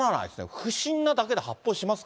不審なだけで発砲しますか。